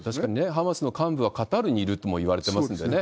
ハマスの幹部はカタールにいるともいわれてますしね、